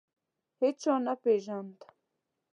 هیچا نه پېژاند.